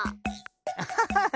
アハハハ！